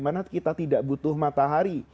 karena kita tidak butuh matahari